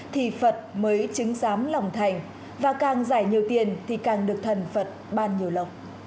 thì phật mới chứng giám lòng thành và càng giải nhiều tiền thì càng được thần phật ban nhiều lầu